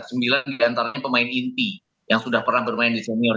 sembilan di antara pemain inti yang sudah pernah bermain di senior